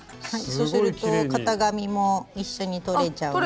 そうすると型紙も一緒に取れちゃうので。